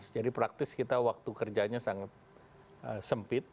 jadi praktis kita waktu kerjanya sangat sempit